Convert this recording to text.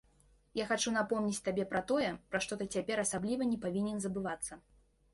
Я хачу напомніць табе пра тое, пра што ты цяпер асабліва не павінен забывацца.